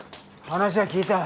話は聞いた。